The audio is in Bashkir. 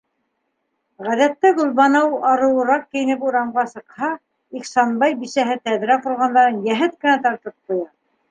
Ғәҙәттә Гөлбаныу арыуыраҡ кейенеп урамға сыҡһа, Ихсанбай бисәһе тәҙрә ҡорғандарын йәһәт кенә тартып ҡуя.